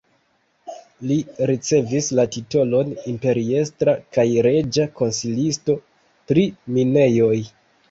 Li ricevis la titolon imperiestra kaj reĝa konsilisto pri minejoj.